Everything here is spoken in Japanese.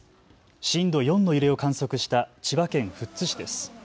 震度４の揺れを観測した千葉県富津市です。